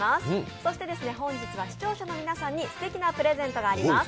そして、本日は視聴者の皆さんに素敵なプレゼントがあります。